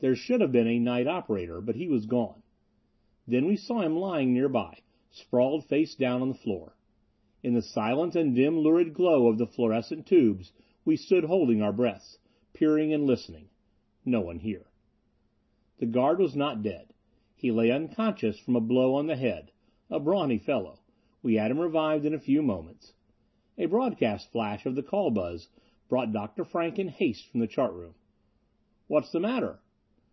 There should have been a night operator, but he was gone. Then we saw him lying nearby, sprawled face down on the floor! In the silence and dim lurid glow of the fluorescent tubes, we stood holding our breaths, peering and listening. No one here. The guard was not dead. He lay unconscious from a blow on the head. A brawny fellow. We had him revived in a few moments. A broadcast flash of the call buzz brought Dr. Frank in haste from the chart room. "What's the matter?"